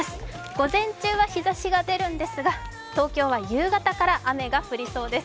午前中は日ざしが出るんですが、東京は夕方から雨が降りそうです。